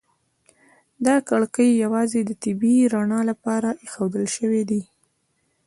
دا کړکۍ یوازې د طبیعي رڼا لپاره ایښودل شوي دي.